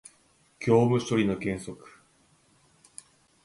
業務処理の原則